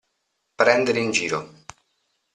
Prendere in giro.